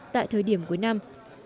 tại thời điểm cuối năm